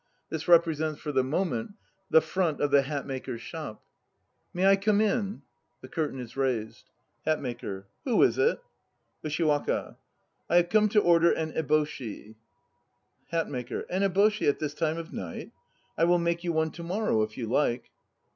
This represents for the moment the front of the haymaker's shop.) May I come in? (The curtain is raised.) HATMAKER. Who is it? USHIWAKA. I have come to order an eboshi. HATMAKER. An eboshi at this time of night? I will make you one to morrow, if you like.